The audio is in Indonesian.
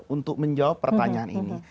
untuk menjawab pertanyaan ini